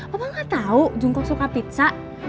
opang gak tau jungkok suka pizza